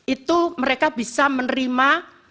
itu mereka bisa menerima